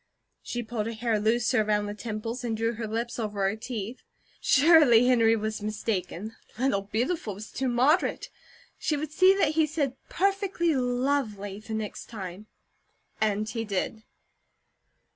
She pulled her hair looser around the temples, and drew her lips over her teeth. Surely Henry was mistaken. "Little Beautiful" was too moderate. She would see that he said "perfectly lovely," the next time, and he did.